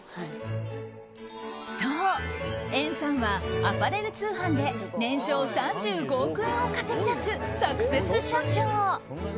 そう、エンさんはアパレル通販で年商３５億円を稼ぎ出すサクセス社長。